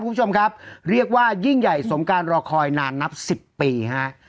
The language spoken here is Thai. คุณผู้ชมครับเรียกว่ายิ่งใหญ่สมการรอคอยนานนับสิบปีฮะ